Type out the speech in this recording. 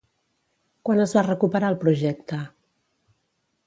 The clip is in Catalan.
Quan es va recuperar el projecte?